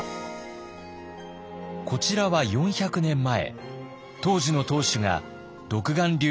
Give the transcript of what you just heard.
こちらは４００年前当時の当主が独眼竜